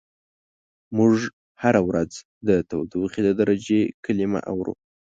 موږ هره ورځ د تودوخې د درجې کلمه اورو.